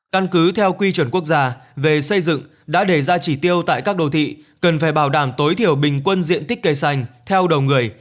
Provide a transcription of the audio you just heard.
căn cứ theo quy chuẩn quốc gia về xây dựng đã đề ra chỉ tiêu tại các đô thị cần phải bảo đảm tối thiểu bình quân diện tích cây xanh theo đầu người